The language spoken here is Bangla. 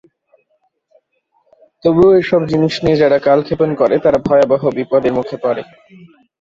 তবুও এইসব জিনিষ নিয়ে যারা কালক্ষেপ করে, তারা ভয়াবহ বিপদের মুখে পড়ে।